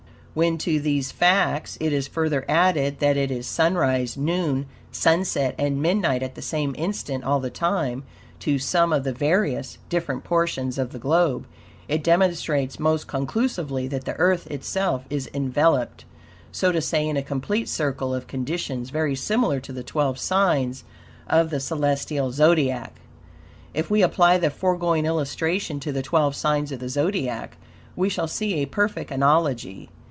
When to these facts it is further added that it is sunrise, noon, sunset and midnight at the same instant, all the time, to some of the various, different portions of the globe, it demonstrates most conclusively that the Earth itself is enveloped, so to say, in a complete circle of conditions very similar to the twelve signs of the celestial Zodiac. If we apply the foregoing illustration to the twelve signs of the Zodiac, we shall see a perfect analogy.